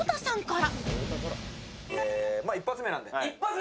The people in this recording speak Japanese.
１発目なんで。